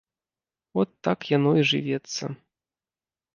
От так яно і жывецца.